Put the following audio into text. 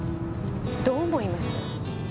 どう思います？